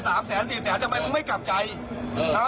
เขาถอดมงคลให้มึงเขารักมึงแค่ไหนวะ